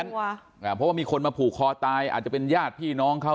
เพราะว่ามีคนมาผูกคอตายอาจจะเป็นญาติพี่น้องเขา